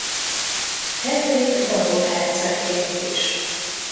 Henrik bajor hercegként is.